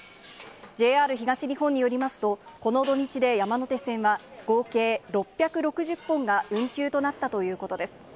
ＪＲ東日本によりますと、この土日で、山手線は合計６６０本が運休となったということです。